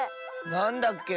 なんだっけ？